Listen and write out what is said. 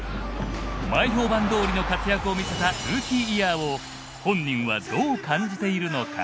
前評判どおりの活躍を見せたルーキーイヤーを本人はどう感じているのか？